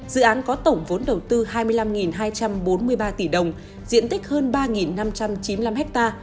dự án có tổng vốn đầu tư hai mươi năm hai trăm bốn mươi ba tỷ đồng diện tích hơn ba năm trăm chín mươi năm ha